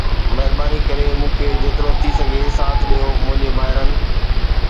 مهرباني ڪري مون کي جيترو ٿي سگهي ساٿ ڏيو منهنجي ڀائرن